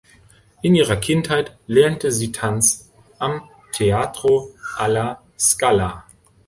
In ihrer Kindheit lernte sie Tanz am Teatro alla Scala.